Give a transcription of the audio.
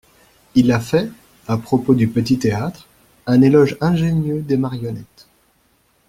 Il a fait, à propos du Petit-Théâtre, un éloge ingénieux des marionnettes.